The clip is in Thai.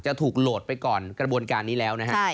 จะถูกโหลดไปก่อนกระบวนการนี้แล้วนะฮะ